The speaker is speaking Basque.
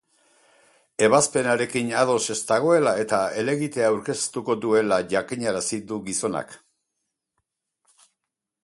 Ebazpenarekin ados ez dagoela eta helegitea aurkeztuko duela jakinarazi du gizonak.